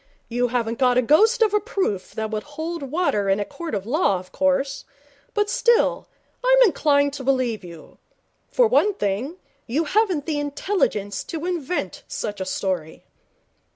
You haven't got a ghost of a proof that would hold water in a court of law, of course; but still, I'm inclined to believe you. For one thing, you haven't the intelligence to invent such a story.'